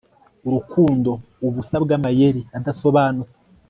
urukundo, ubusa bwamayeri adasobanutse